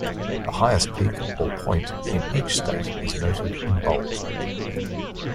The highest peak or point in each state is noted in bold.